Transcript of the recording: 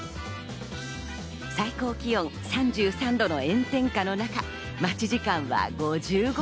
最高気温３３度の炎天下の中、待ち時間は５５分。